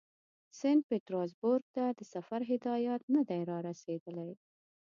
سینټ پیټرزبورګ ته د سفر هدایت نه دی را رسېدلی.